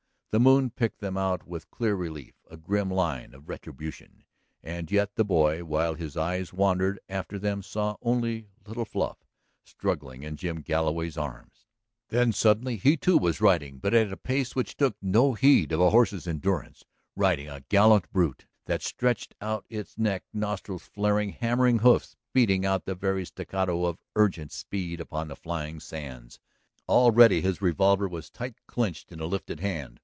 The moon picked them out with clear relief, a grim line of retribution. And yet the boy, while his eyes wandered after them, saw only little Fluff struggling in Jim Galloway's arms. ... Then suddenly he, too, was riding, but at a pace which took no heed of a horse's endurance, riding a gallant brute that stretched out its neck, nostrils flaring, hammering hoofs beating out the very staccato of urgent speed upon the flying sands. Already his revolver was tight clinched in a lifted hand.